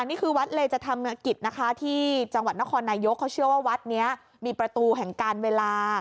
นี่คือวัดเลจธรรมกิจนะคะที่จังหวัดนครนายกเขาเชื่อว่าวัดนี้มีประตูแห่งการเวลา